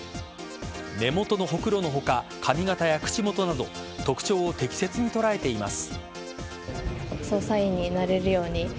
目元のホクロの他髪形や口元など特徴を適切に捉えています。